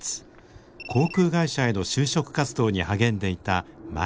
航空会社への就職活動に励んでいた舞。